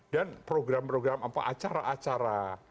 dan program program apa acara acara